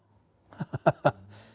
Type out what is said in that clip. アハハハ。